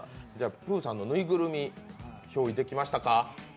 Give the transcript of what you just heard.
プーさんのぬいぐるみ、ひょう依できましたか？